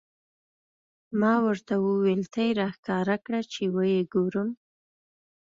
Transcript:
ما ورته وویل: ته یې را ښکاره کړه، چې و یې ګورم.